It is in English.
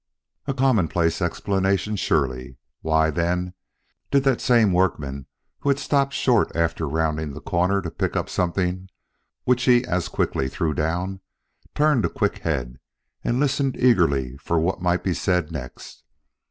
A commonplace explanation surely; why, then, did that same workman, who had stopped short after rounding the corner to pick up something which he as quickly threw down, turn a quick head and listen eagerly for what might be said next.